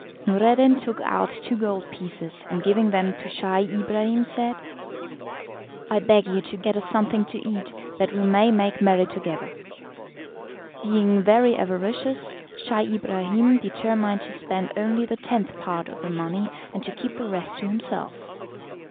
Noureddin took out two gold pieces, and giving them to Scheih Ibrahim said, "I beg you to get us something to eat that we may make merry together." Being very avaricious, Scheih Ibrahim determined to spend only the tenth part of the money and to keep the rest to himself.